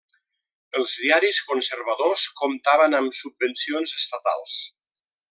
Els diaris conservadors comptaven amb subvencions estatals.